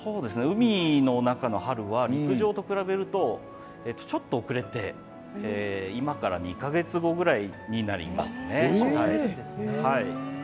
海の中の春は陸上と比べるとちょっと遅れて今から２か月後くらいになりますね。